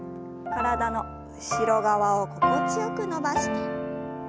体の後ろ側を心地よく伸ばして。